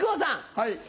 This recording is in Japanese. はい。